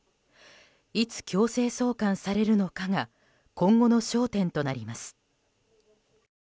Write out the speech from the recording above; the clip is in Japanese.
いつ強制送還されるのかが今後の焦点となります。